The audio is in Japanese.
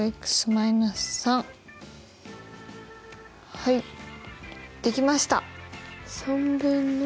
はいできました！